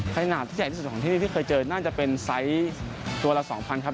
ขนาดที่ใหญ่ที่สุดของที่นี่ที่เคยเจอน่าจะเป็นไซส์ตัวละ๒๐๐ครับ